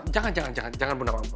jangan jangan jangan bu nawang